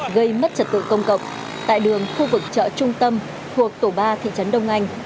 gây mất trật tự công cộng tại đường khu vực chợ trung tâm thuộc tổ ba thị trấn đông anh